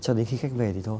cho đến khi khách về thì thôi